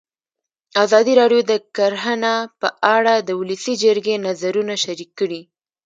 ازادي راډیو د کرهنه په اړه د ولسي جرګې نظرونه شریک کړي.